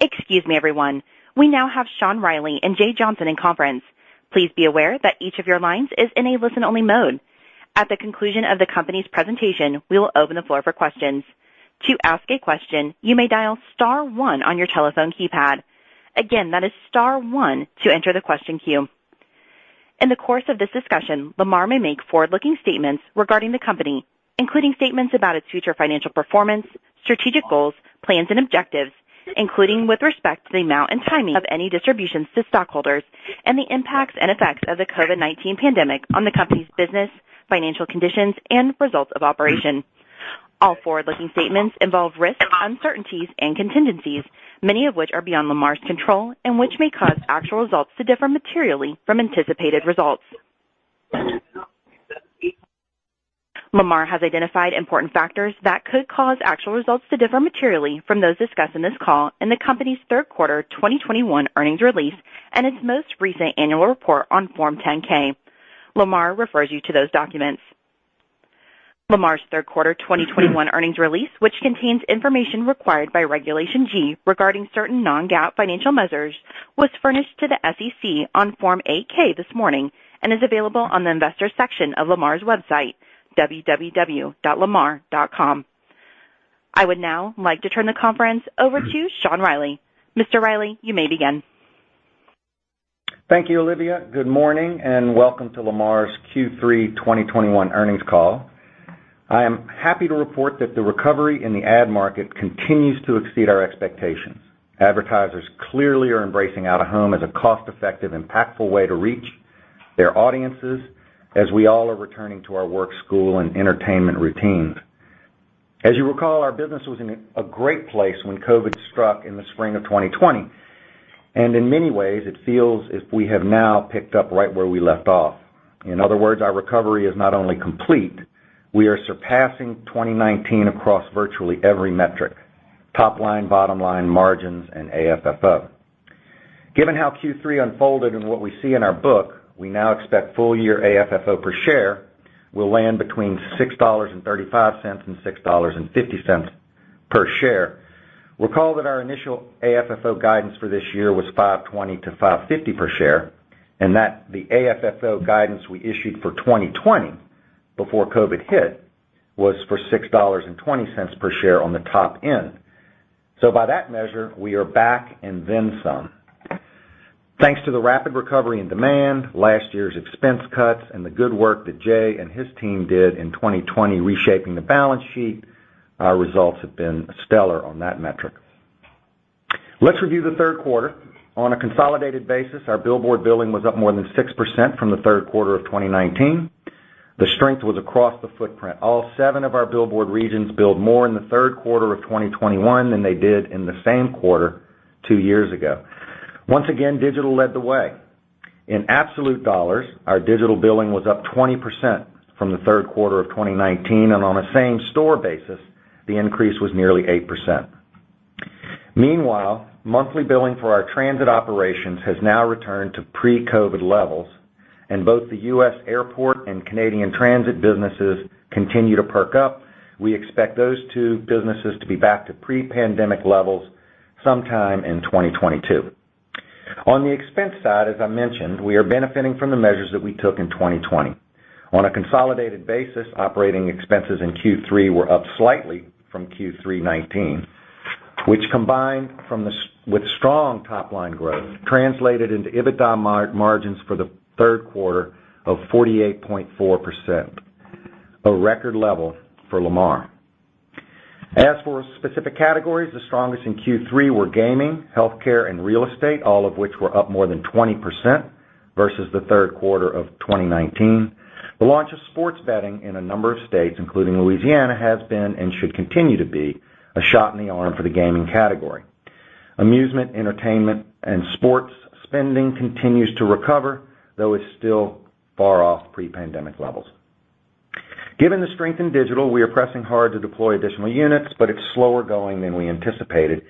Excuse me, everyone. We now have Sean Reilly and Jay Johnson in conference. Please be aware that each of your lines is in a listen-only mode. At the conclusion of the company's presentation, we will open the floor for questions. To ask a question, you may dial star one on your telephone keypad. Again, that is star one to enter the question queue. In the course of this discussion, Lamar may make forward-looking statements regarding the company, including statements about its future financial performance, strategic goals, plans, and objectives, including with respect to the amount and timing of any distributions to stockholders and the impacts and effects of the COVID-19 pandemic on the company's business, financial conditions, and results of operations. All forward-looking statements involve risks, uncertainties, and contingencies, many of which are beyond Lamar's control and which may cause actual results to differ materially from anticipated results. Lamar has identified important factors that could cause actual results to differ materially from those discussed in this call in the company's third quarter 2021 earnings release and its most recent annual report on Form 10-K. Lamar refers you to those documents. Lamar's third quarter 2021 earnings release, which contains information required by Regulation G regarding certain non-GAAP financial measures, was furnished to the SEC on Form 8-K this morning and is available on the investors section of Lamar's website, www.lamar.com. I would now like to turn the conference over to Sean Reilly. Mr. Reilly, you may begin. Thank you, Olivia. Good morning and welcome to Lamar's Q3 2021 earnings call. I am happy to report that the recovery in the ad market continues to exceed our expectations. Advertisers clearly are embracing out-of-home as a cost-effective, impactful way to reach their audiences as we all are returning to our work, school, and entertainment routines. As you recall, our business was in a great place when COVID struck in the spring of 2020, and in many ways it feels as if we have now picked up right where we left off. In other words, our recovery is not only complete, we are surpassing 2019 across virtually every metric, top line, bottom line, margins, and AFFO. Given how Q3 unfolded and what we see in our book, we now expect full year AFFO per share will land between $6.35 and $6.50 per share. Recall that our initial AFFO guidance for this year was $5.20-$5.50 per share, and that the AFFO guidance we issued for 2020 before COVID hit was for $6.20 per share on the top end. By that measure, we are back and then some. Thanks to the rapid recovery in demand, last year's expense cuts and the good work that Jay and his team did in 2020 reshaping the balance sheet, our results have been stellar on that metric. Let's review the third quarter. On a consolidated basis, our billboard billing was up more than 6% from the third quarter of 2019. The strength was across the footprint. All seven of our billboard regions billed more in the third quarter of 2021 than they did in the same quarter two years ago. Once again, digital led the way. In absolute dollars, our digital billing was up 20% from the third quarter of 2019, and on a same store basis, the increase was nearly 8%. Meanwhile, monthly billing for our transit operations has now returned to pre-COVID levels, and both the U.S. airport and Canadian transit businesses continue to perk up. We expect those two businesses to be back to pre-pandemic levels sometime in 2022. On the expense side, as I mentioned, we are benefiting from the measures that we took in 2020. On a consolidated basis, operating expenses in Q3 were up slightly from Q3 2019, which combined with strong top line growth, translated into EBITDA margins for the third quarter of 48.4%, a record level for Lamar. As for specific categories, the strongest in Q3 were gaming, healthcare, and real estate, all of which were up more than 20% versus the third quarter of 2019. The launch of sports betting in a number of states, including Louisiana, has been and should continue to be a shot in the arm for the gaming category. Amusement, entertainment, and sports spending continues to recover, though it is still far off pre-pandemic levels. Given the strength in digital, we are pressing hard to deploy additional units, but it's slower going than we anticipated.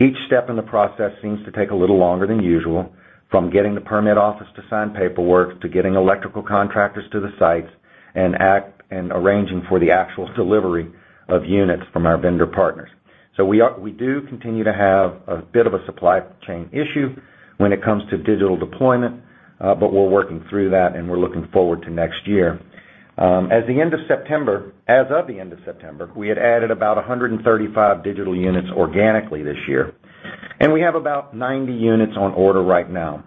Each step in the process seems to take a little longer than usual, from getting the permit office to sign paperwork, to getting electrical contractors to the sites and arranging for the actual delivery of units from our vendor partners. We do continue to have a bit of a supply chain issue when it comes to digital deployment, but we're working through that and we're looking forward to next year. As of the end of September, we had added about 135 digital units organically this year, and we have about 90 units on order right now.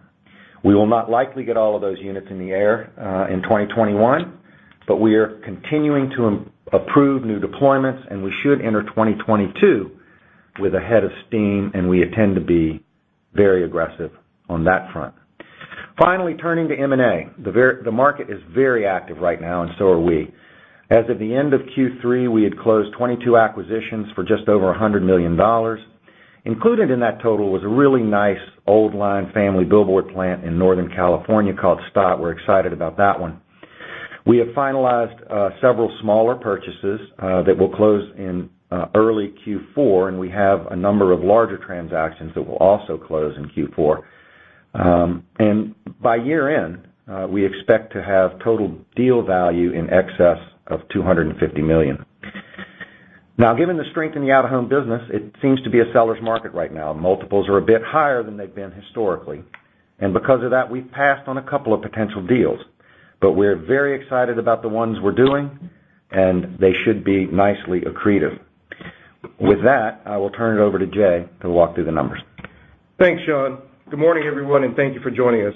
We will not likely get all of those units in the air in 2021, but we are continuing to approve new deployments, and we should enter 2022 with a head of steam, and we intend to be very aggressive on that front. Finally, turning to M&A. The market is very active right now and so are we. As of the end of Q3, we had closed 22 acquisitions for just over $100 million. Included in that total was a really nice old line family billboard plant in Northern California called Stott. We're excited about that one. We have finalized several smaller purchases that will close in early Q4, and we have a number of larger transactions that will also close in Q4. By year-end, we expect to have total deal value in excess of $250 million. Now, given the strength in the out-of-home business, it seems to be a seller's market right now. Multiples are a bit higher than they've been historically, and because of that, we've passed on a couple of potential deals. But we're very excited about the ones we're doing, and they should be nicely accretive. With that, I will turn it over to Jay to walk through the numbers. Thanks, Sean. Good morning, everyone, and thank you for joining us.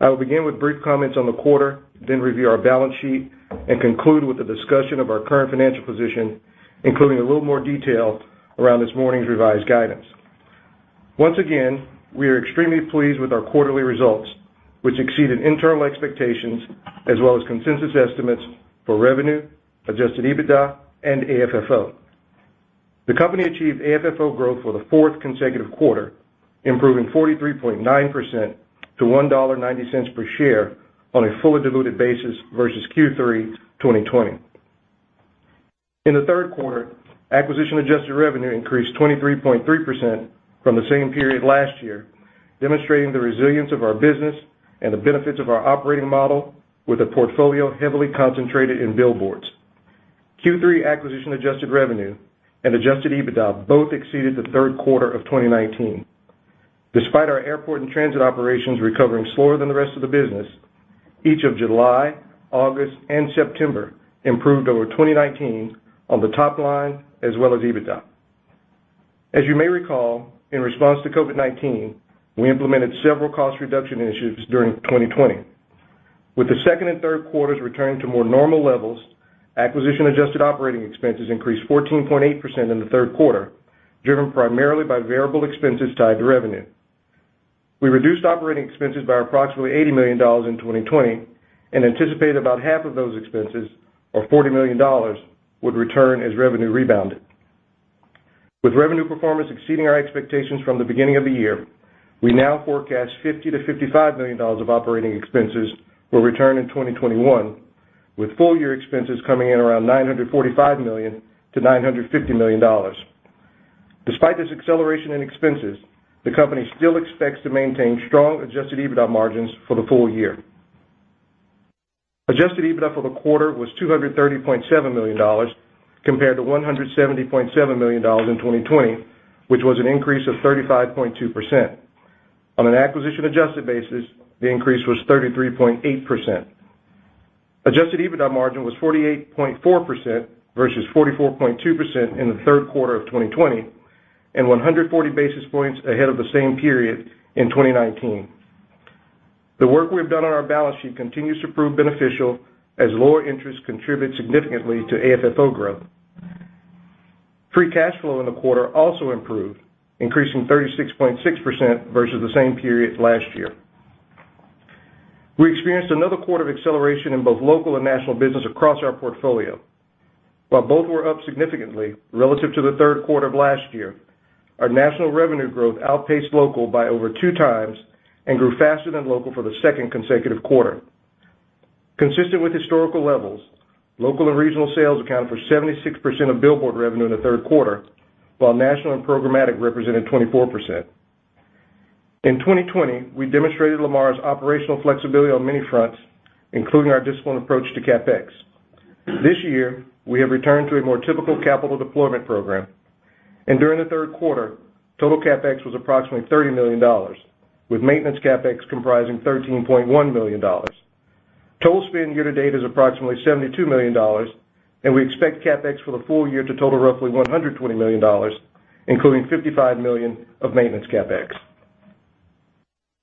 I will begin with brief comments on the quarter, then review our balance sheet, and conclude with a discussion of our current financial position, including a little more detail around this morning's revised guidance. Once again, we are extremely pleased with our quarterly results, which exceeded internal expectations as well as consensus estimates for revenue, adjusted EBITDA, and AFFO. The company achieved AFFO growth for the fourth consecutive quarter, improving 43.9% to $1.90 per share on a fully diluted basis versus Q3 2020. In the third quarter, acquisition-adjusted revenue increased 23.3% from the same period last year, demonstrating the resilience of our business and the benefits of our operating model with a portfolio heavily concentrated in billboards. Q3 acquisition adjusted revenue and adjusted EBITDA both exceeded the third quarter of 2019. Despite our airport and transit operations recovering slower than the rest of the business, each of July, August, and September improved over 2019 on the top line as well as EBITDA. As you may recall, in response to COVID-19, we implemented several cost reduction initiatives during 2020. With the second and third quarters returning to more normal levels, acquisition adjusted operating expenses increased 14.8% in the third quarter, driven primarily by variable expenses tied to revenue. We reduced operating expenses by approximately $80 million in 2020 and anticipate about half of those expenses, or $40 million, would return as revenue rebounded. With revenue performance exceeding our expectations from the beginning of the year, we now forecast $50 million-$55 million of operating expenses will return in 2021, with full year expenses coming in around $945 million-$950 million. Despite this acceleration in expenses, the company still expects to maintain strong Adjusted EBITDA margins for the full year. Adjusted EBITDA for the quarter was $230.7 million compared to $170.7 million in 2020, which was an increase of 35.2%. On an acquisition adjusted basis, the increase was 33.8%. Adjusted EBITDA margin was 48.4% versus 44.2% in the third quarter of 2020, and 140 basis points ahead of the same period in 2019. The work we've done on our balance sheet continues to prove beneficial as lower interest contributes significantly to AFFO growth. Free cash flow in the quarter also improved, increasing 36.6% versus the same period last year. We experienced another quarter of acceleration in both local and national business across our portfolio. While both were up significantly relative to the third quarter of last year, our national revenue growth outpaced local by over 2x and grew faster than local for the second consecutive quarter. Consistent with historical levels, local and regional sales accounted for 76% of billboard revenue in the third quarter, while national and programmatic represented 24%. In 2020, we demonstrated Lamar's operational flexibility on many fronts, including our disciplined approach to CapEx. This year, we have returned to a more typical capital deployment program, and during the third quarter, total CapEx was approximately $30 million, with maintenance CapEx comprising $13.1 million. Total spend year-to-date is approximately $72 million, and we expect CapEx for the full year to total roughly $120 million, including $55 million of maintenance CapEx.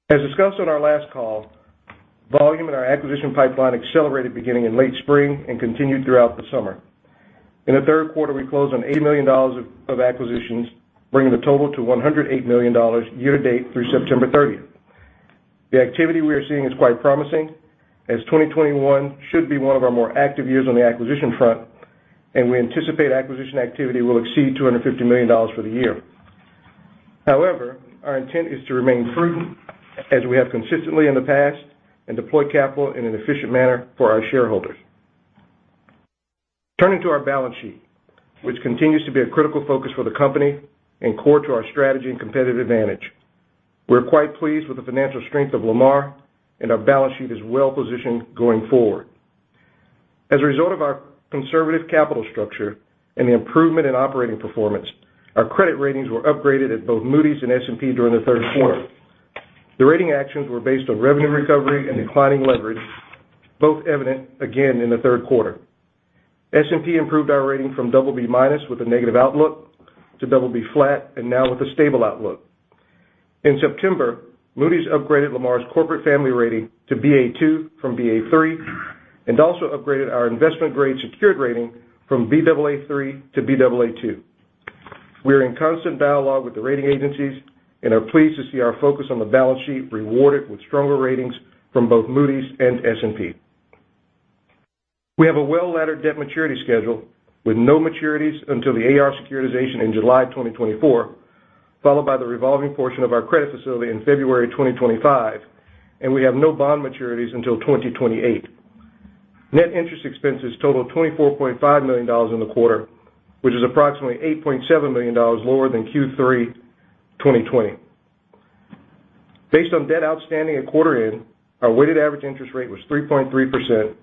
As discussed on our last call, volume in our acquisition pipeline accelerated beginning in late spring and continued throughout the summer. In the third quarter, we closed on $80 million of acquisitions, bringing the total to $108 million year-to-date through September 30th. The activity we are seeing is quite promising, as 2021 should be one of our more active years on the acquisition front, and we anticipate acquisition activity will exceed $250 million for the year. However, our intent is to remain prudent as we have consistently in the past and deploy capital in an efficient manner for our shareholders. Turning to our balance sheet, which continues to be a critical focus for the company and core to our strategy and competitive advantage. We're quite pleased with the financial strength of Lamar, and our balance sheet is well-positioned going forward. As a result of our conservative capital structure and the improvement in operating performance, our credit ratings were upgraded at both Moody's and S&P during the third quarter. The rating actions were based on revenue recovery and declining leverage, both evident again in the third quarter. S&P improved our rating from BB- with a negative outlook to BB and now with a stable outlook. In September, Moody's upgraded Lamar's corporate family rating to Ba2 from Ba3 and also upgraded our investment-grade secured rating from Baa3 to Baa2. We are in constant dialogue with the rating agencies and are pleased to see our focus on the balance sheet rewarded with stronger ratings from both Moody's and S&P. We have a well-laddered debt maturity schedule with no maturities until the AR securitization in July 2024, followed by the revolving portion of our credit facility in February 2025, and we have no bond maturities until 2028. Net interest expenses totaled $24.5 million in the quarter, which is approximately $8.7 million lower than Q3 2020. Based on debt outstanding at quarter end, our weighted average interest rate was 3.3%,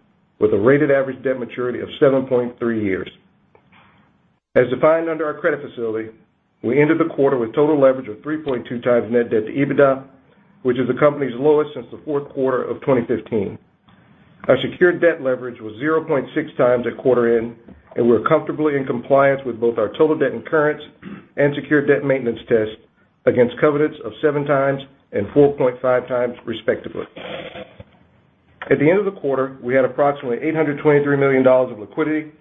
with a weighted average debt maturity of 7.3 years. As defined under our credit facility, we ended the quarter with total leverage of 3.2x net debt to EBITDA, which is the company's lowest since the fourth quarter of 2015. Our secured debt leverage was 0.6x at quarter end, and we're comfortably in compliance with both our total debt incurrence and secured debt maintenance test against covenants of 7x and 4.5x, respectively. At the end of the quarter, we had approximately $823 million of liquidity,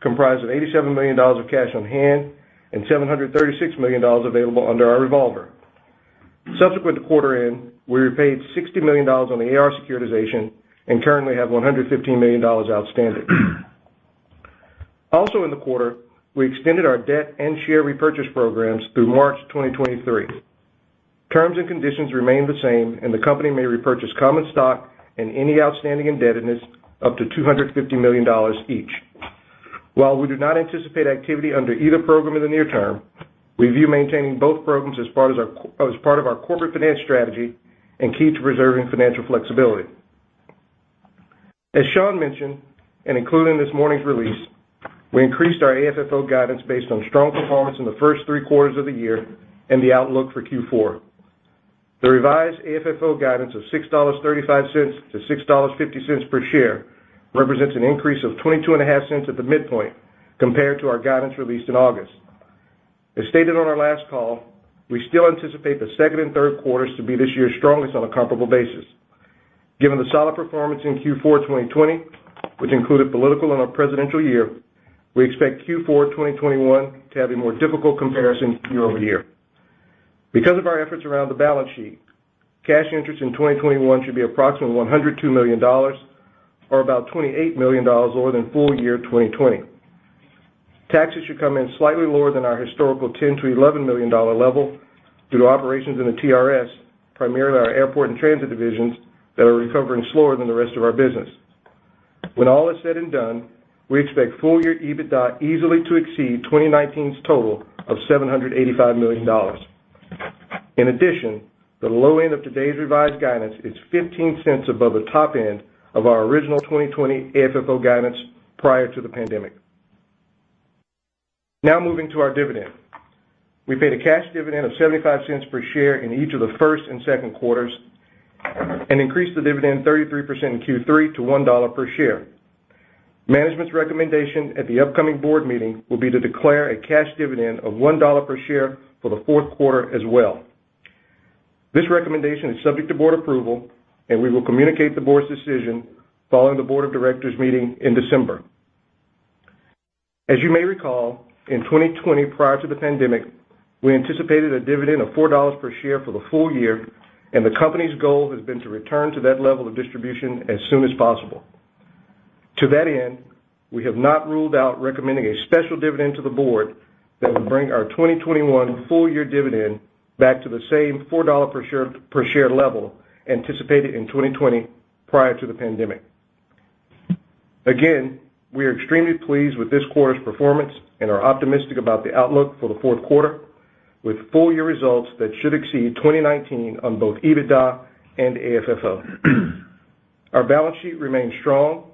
comprised of $87 million of cash on hand and $736 million available under our revolver. Subsequent to quarter end, we repaid $60 million on the AR securitization and currently have $115 million outstanding. Also in the quarter, we extended our debt and share repurchase programs through March 2023. Terms and conditions remain the same, and the company may repurchase common stock and any outstanding indebtedness up to $250 million each. While we do not anticipate activity under either program in the near term, we view maintaining both programs as part of our corporate finance strategy and key to preserving financial flexibility. As Sean mentioned, and included in this morning's release, we increased our AFFO guidance based on strong performance in the first three quarters of the year and the outlook for Q4. The revised AFFO guidance of $6.35-$6.50 per share represents an increase of $0.225 at the midpoint compared to our guidance released in August. As stated on our last call, we still anticipate the second and third quarters to be this year's strongest on a comparable basis. Given the solid performance in Q4 2020, which included political and a presidential year, we expect Q4 2021 to have a more difficult comparison year-over-year. Because of our efforts around the balance sheet, cash interest in 2021 should be approximately $102 million, or about $28 million more than full year 2020. Taxes should come in slightly lower than our historical $10 million-$11 million level due to operations in the TRS, primarily our airport and transit divisions, that are recovering slower than the rest of our business. When all is said and done, we expect full-year EBITDA easily to exceed 2019's total of $785 million. In addition, the low end of today's revised guidance is $0.15 above the top end of our original 2020 AFFO guidance prior to the pandemic. Now moving to our dividend. We paid a cash dividend of $0.75 per share in each of the first and second quarters and increased the dividend 33% in Q3 to $1 per share. Management's recommendation at the upcoming board meeting will be to declare a cash dividend of $1 per share for the fourth quarter as well. This recommendation is subject to board approval, and we will communicate the board's decision following the board of directors meeting in December. As you may recall, in 2020, prior to the pandemic, we anticipated a dividend of $4 per share for the full year, and the company's goal has been to return to that level of distribution as soon as possible. To that end, we have not ruled out recommending a special dividend to the board that would bring our 2021 full-year dividend back to the same $4 per share level anticipated in 2020 prior to the pandemic. We are extremely pleased with this quarter's performance and are optimistic about the outlook for the fourth quarter, with full-year results that should exceed 2019 on both EBITDA and AFFO. Our balance sheet remains strong,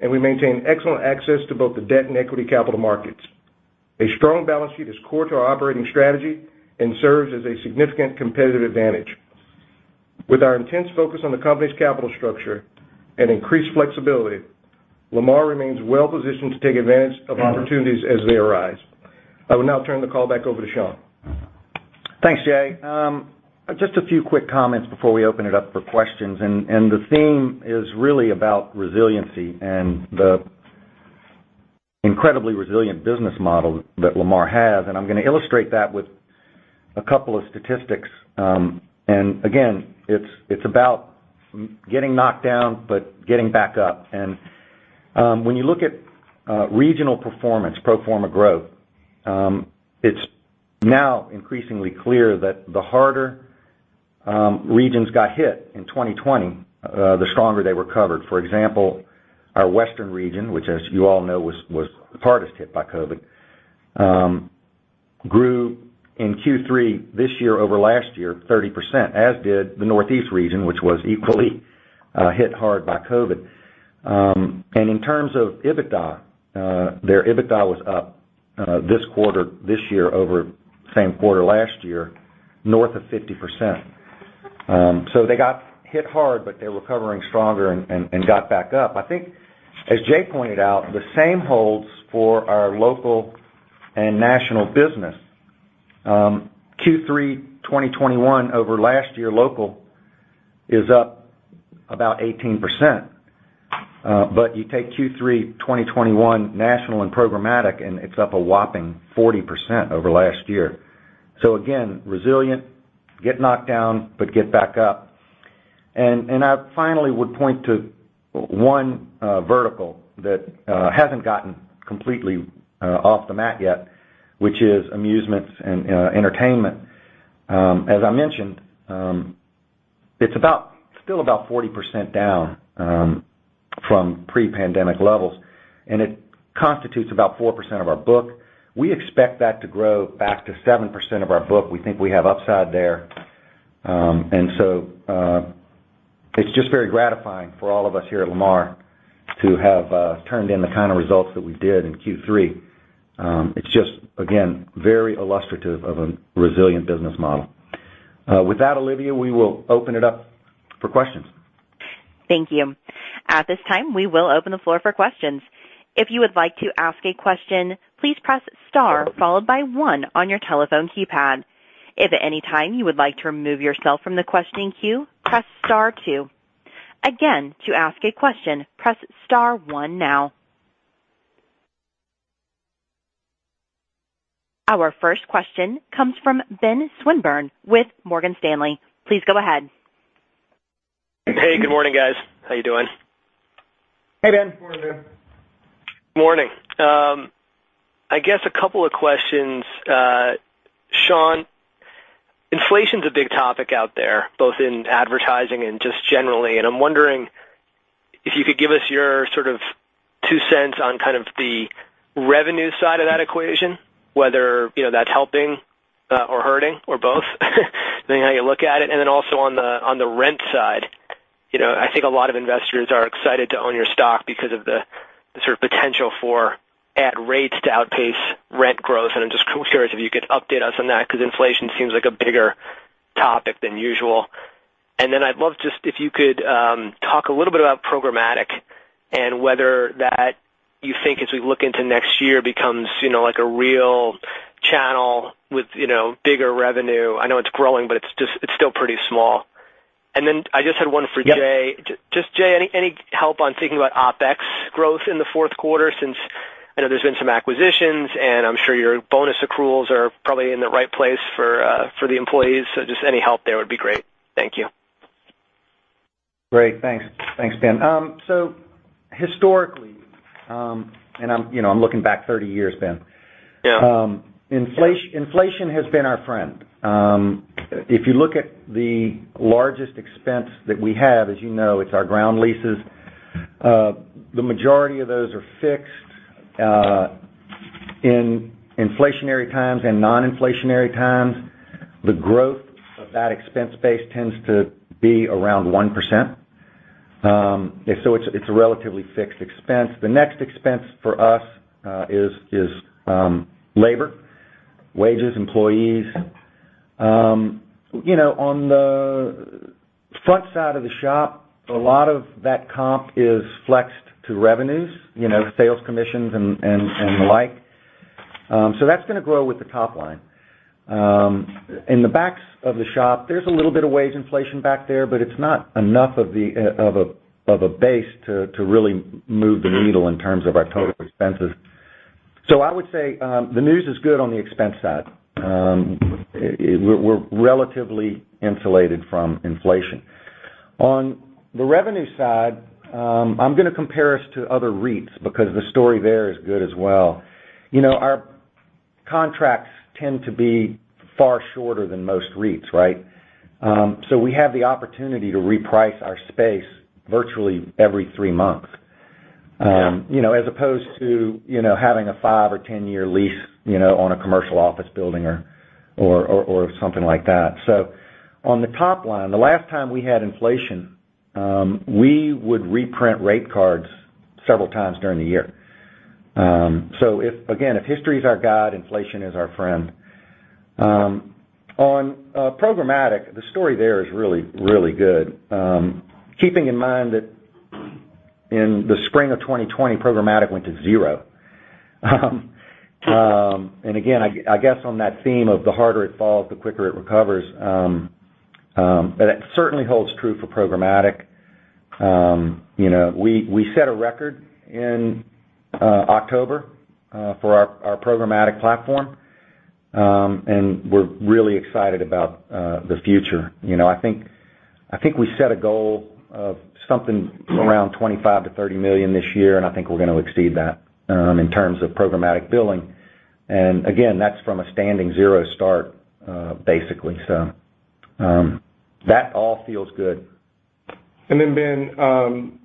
and we maintain excellent access to both the debt and equity capital markets. A strong balance sheet is core to our operating strategy and serves as a significant competitive advantage. With our intense focus on the company's capital structure and increased flexibility, Lamar remains well-positioned to take advantage of opportunities as they arise. I will now turn the call back over to Sean. Thanks, Jay. Just a few quick comments before we open it up for questions, and the theme is really about resiliency and the incredibly resilient business model that Lamar has. I'm gonna illustrate that with a couple of statistics. Again, it's about getting knocked down but getting back up. When you look at regional performance, pro forma growth, it's now increasingly clear that the harder regions got hit in 2020, the stronger they recovered. For example, our Western region, which as you all know, was the hardest hit by COVID, grew in Q3 this year over last year 30%, as did the Northeast region, which was equally hit hard by COVID. In terms of EBITDA, their EBITDA was up this quarter this year over same quarter last year, north of 50%. They got hit hard, but they're recovering stronger and got back up. I think, as Jay pointed out, the same holds for our local and national business. Q3 2021 over last year, local is up about 18%. You take Q3 2021 national and programmatic, and it's up a whopping 40% over last year. Again, resilient, get knocked down, but get back up. I finally would point to one vertical that hasn't gotten completely off the mat yet, which is amusements and entertainment. As I mentioned, it's still about 40% down from pre-pandemic levels, and it constitutes about 4% of our book. We expect that to grow back to 7% of our book. We think we have upside there. It's just very gratifying for all of us here at Lamar to have turned in the kind of results that we did in Q3. It's just, again, very illustrative of a resilient business model. With that, Olivia, we will open it up for questions. Thank you. At this time, we will open the floor for questions. If you would like to ask a question, please press star followed by one on your telephone keypad. If at any time you would like to remove yourself from the questioning queue, press star two. Again, to ask a question, press star one now. Our first question comes from Ben Swinburne with Morgan Stanley. Please go ahead. Hey, good morning, guys. How you doing? Hey, Ben. Morning, Ben. Morning. I guess a couple of questions. Sean, inflation's a big topic out there, both in advertising and just generally, and I'm wondering if you could give us your sort of two cents on kind of the revenue side of that equation, whether, you know, that's helping, or hurting or both, depending on how you look at it? Then also on the rent side. You know, I think a lot of investors are excited to own your stock because of the sort of potential for ad rates to outpace rent growth. I'm just curious if you could update us on that because inflation seems like a bigger topic than usual. Then I'd love just if you could talk a little bit about programmatic and whether that you think as we look into next year becomes, you know, like a real channel with, you know, bigger revenue. I know it's growing, but it's just, it's still pretty small. Then I just had one for Jay. Yep. Jay, any help on thinking about OpEx growth in the fourth quarter since I know there's been some acquisitions, and I'm sure your bonus accruals are probably in the right place for the employees. Just any help there would be great. Thank you. Great. Thanks. Thanks, Ben. Historically, and I'm, you know, looking back 30 years, Ben. Yeah. Inflation has been our friend. If you look at the largest expense that we have, as you know, it's our ground leases. The majority of those are fixed in inflationary times and non-inflationary times. The growth of that expense base tends to be around 1%. It's a relatively fixed expense. The next expense for us is labor, wages, employees. You know, on the front side of the shop, a lot of that comp is flexed to revenues, you know, sales commissions and the like. That's gonna grow with the top line. In the backs of the shop, there's a little bit of wage inflation back there, but it's not enough of a base to really move the needle in terms of our total expenses. I would say the news is good on the expense side. We're relatively insulated from inflation. On the revenue side, I'm gonna compare us to other REITs because the story there is good as well. You know, our contracts tend to be far shorter than most REITs, right? We have the opportunity to reprice our space virtually every three months. Yeah. You know, as opposed to, you know, having a five or 10-year lease, you know, on a commercial office building or something like that. On the top line, the last time we had inflation, we would reprint rate cards several times during the year. If, again, if history is our guide, inflation is our friend. On programmatic, the story there is really, really good. Keeping in mind that in the spring of 2020, programmatic went to zero. Again, I guess on that theme of the harder it falls, the quicker it recovers, but it certainly holds true for programmatic. You know, we set a record in October for our programmatic platform, and we're really excited about the future. You know, I think we set a goal of something around $25 million-$30 million this year, and I think we're gonna exceed that in terms of programmatic billing. And again, that's from a standing zero start, basically. That all feels good. Ben,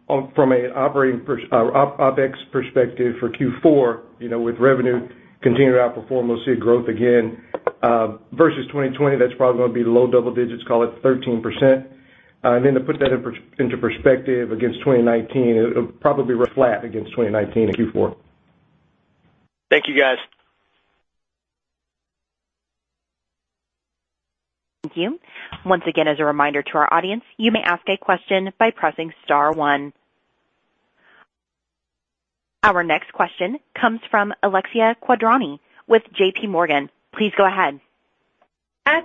from an operating or OpEx perspective for Q4, you know, with revenue continuing to outperform, we'll see growth again versus 2020, that's probably gonna be low double-digits, call it 13%. To put that into perspective against 2019, it'll probably run flat against 2019 in Q4. Thank you, guys. Thank you. Once again, as a reminder to our audience, you may ask a question by pressing star one. Our next question comes from Alexia Quadrani with J.P. Morgan. Please go ahead.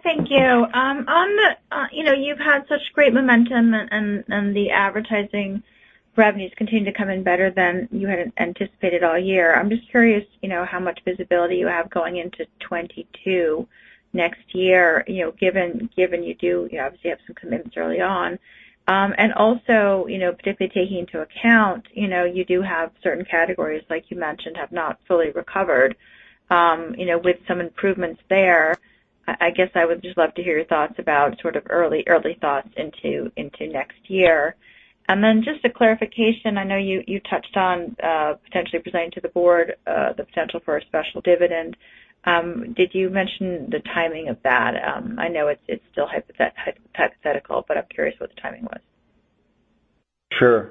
Thank you. On the, you know, you've had such great momentum and the advertising revenues continue to come in better than you had anticipated all year. I'm just curious, you know, how much visibility you have going into 2022 next year, you know, given you do, you obviously have some commitments early on. Also, you know, particularly taking into account, you know, you do have certain categories, like you mentioned, have not fully recovered, you know, with some improvements there. I guess I would just love to hear your thoughts about sort of early thoughts into next year. Then just a clarification. I know you touched on potentially presenting to the board the potential for a special dividend. Did you mention the timing of that? I know it's still hypothetical, but I'm curious what the timing was? Sure.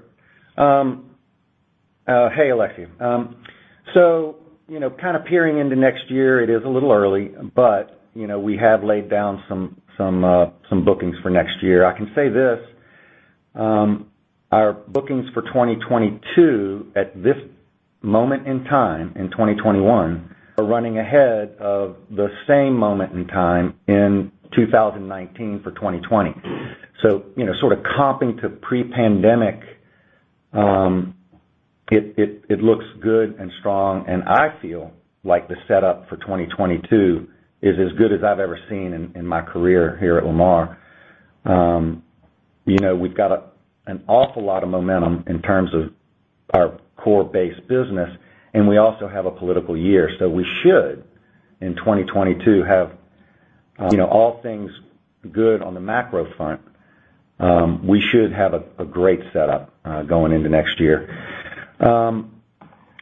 Hey, Alexia. So, you know, kind of peering into next year, it is a little early, but, you know, we have laid down some bookings for next year. I can say this. Our bookings for 2022 at this moment in time in 2021 are running ahead of the same moment in time in 2019 for 2020. So, you know, sort of comping to pre-pandemic, it looks good and strong, and I feel like the setup for 2022 is as good as I've ever seen in my career here at Lamar. You know, we've got an awful lot of momentum in terms of our core base business, and we also have a political year, so we should, in 2022, have, you know, all things good on the macro front. We should have a great setup going into next year.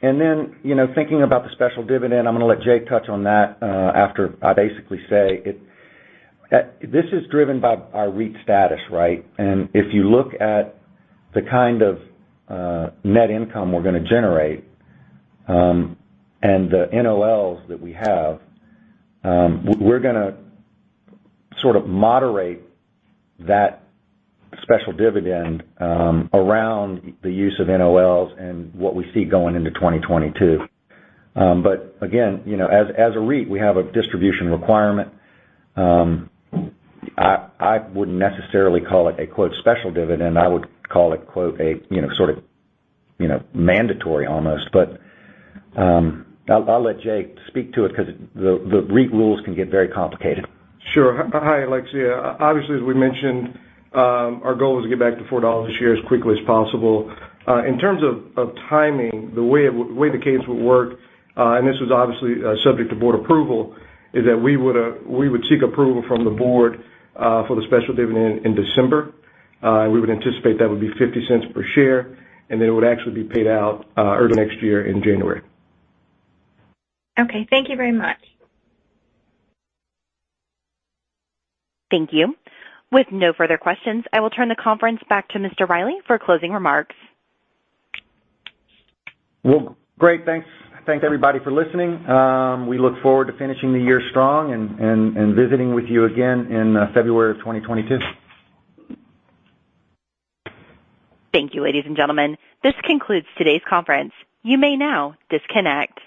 You know, thinking about the special dividend, I'm gonna let Jay touch on that after I basically say it. This is driven by our REIT status, right? If you look at the kind of net income we're gonna generate and the NOLs that we have, we're gonna sort of moderate that special dividend around the use of NOLs and what we see going into 2022. Again, you know, as a REIT, we have a distribution requirement. I wouldn't necessarily call it a "special dividend." I would call it a "mandatory almost." I'll let Jay speak to it because the REIT rules can get very complicated. Sure. Hi, Alexia. Obviously, as we mentioned, our goal is to get back to $4 a share as quickly as possible. In terms of timing, the way the cadence would work, and this is obviously subject to board approval, is that we would seek approval from the board for the special dividend in December. And we would anticipate that would be $0.50 per share, and then it would actually be paid out early next year in January. Okay. Thank you very much. Thank you. With no further questions, I will turn the conference back to Mr. Reilly for closing remarks. Well, great. Thanks. Thanks everybody for listening. We look forward to finishing the year strong and visiting with you again in February of 2022. Thank you, ladies and gentlemen. This concludes today's conference. You may now disconnect.